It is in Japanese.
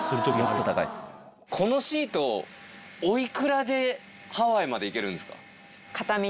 このシートお幾らでハワイまで行けるんですか？